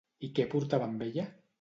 I què portava amb ella?